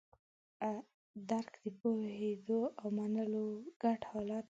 درک د پوهېدو او منلو ګډ حالت دی.